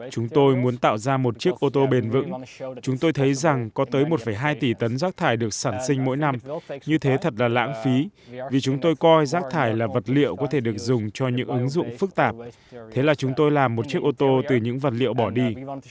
chúng tôi muốn tạo ra một chiếc ô tô bền vững chúng tôi thấy rằng có tới một hai tỷ tấn rác thải được sản sinh mỗi năm như thế thật là lãng phí vì chúng tôi coi rác thải là vật liệu có thể được dùng cho những ứng dụng phức tạp thế là chúng tôi làm một chiếc ô tô từ những vật liệu bỏ đi